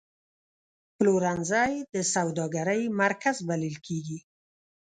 پلورنځی د سوداګرۍ مرکز بلل کېږي.